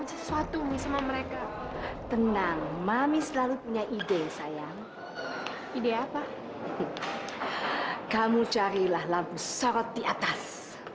tenang mami selalu punya ide sayang ide apa kamu carilah lampu sorot di atas